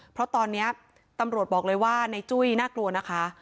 เพราะตอนนี้ตำรวจบอกเลยว่าในจุ้ยน่ากลัวนะคะ